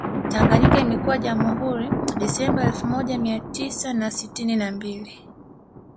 Tanganyika imekuwa Jamhuri Disemba elfu moja Mia tisa na sitini na mbili